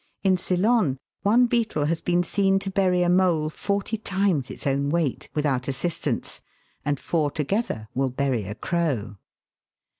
In Ceylon, one beetle has been seen to bury a mole forty times its own weight, without assistance, and four together will bury a crow.